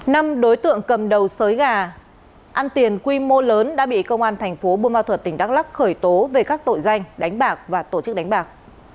năm đối tượng cầm đầu sới gà ăn tiền quy mô lớn đã bị công an thành phố bôn ma thuật tỉnh đắk lắc khởi tố về các tội danh đánh bạc và tổ chức đánh bạc